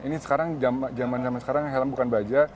ini sekarang zaman sekarang helm bukan baja